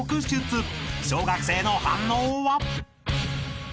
［小学生の反応は？］